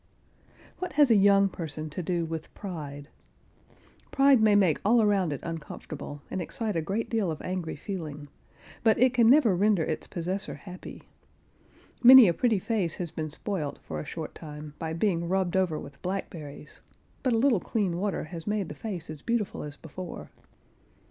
What has a young person to do with pride? Pride may make all around it uncomfortable, and excite a great deal of angry feeling, but it can never render its possessor happy.—Many a pretty face has been spoilt, for a short time, by being rubbed over with blackberries, but a little clean water has made the face as beautiful as before.